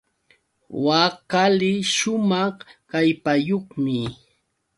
Wak qali shumaq kallpayuqmi.